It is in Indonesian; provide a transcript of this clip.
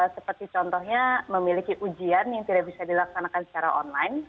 seperti contohnya memiliki ujian yang tidak bisa dilaksanakan secara online